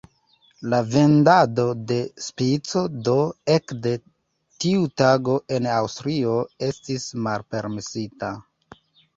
La vendado de "Spico" do ekde tiu tago en Aŭstrio estis malpermesita.